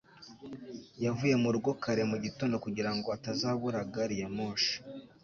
yavuye mu rugo kare mu gitondo kugira ngo atazabura gari ya moshi